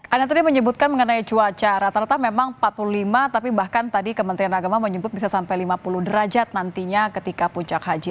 anda tadi menyebutkan mengenai cuaca rata rata memang empat puluh lima tapi bahkan tadi kementerian agama menyebut bisa sampai lima puluh derajat nantinya ketika puncak haji